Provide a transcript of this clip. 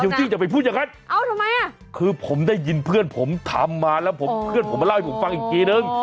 จี้อย่าไปพูดอย่างนั้นคือผมได้ยินเพื่อนผมทำมาแล้วเพื่อนผมมาเล่าให้ผมฟังอีกทีนึง